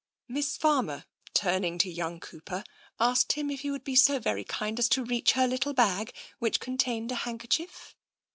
Miss Farmer, turning to young Cooper, asked him if he would be so very kind as to reach her little bag, which contained a handkerchief.